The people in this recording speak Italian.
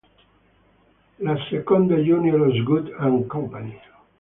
La seconda J. R. Osgood and Co.